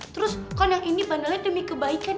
terus kan yang ini padahalnya demi kebaikan